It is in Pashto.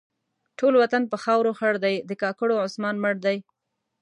ټول وطن په خاورو خړ دی؛ د کاکړو عثمان مړ دی.